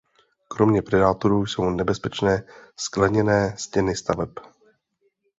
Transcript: Kromě predátorů jsou nebezpečné skleněné stěny staveb.